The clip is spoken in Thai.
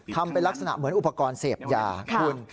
ทำเป็นลักษณะเหมือนอุปกรณ์เสพยาคุณ